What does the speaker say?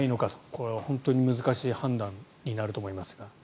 これは本当に難しい判断になると思いますが。